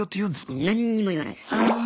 何にも言わないっす。